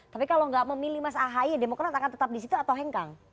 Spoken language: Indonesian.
tapi kalau gak memilih mas ahy demokran akan tetap disitu atau hengkang